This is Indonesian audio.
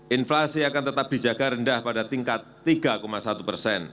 inflasi akan tetap dijaga rendah pada tingkat tiga satu persen